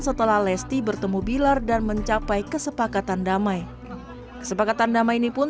setelah lesti bertemu bilar dan mencapai kesepakatan damai kesepakatan damai ini pun